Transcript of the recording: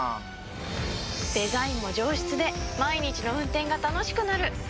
デザインも上質で毎日の運転が楽しくなる！